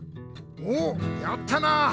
おやったな！